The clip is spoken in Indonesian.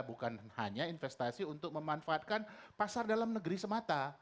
bukan hanya investasi untuk memanfaatkan pasar dalam negeri semata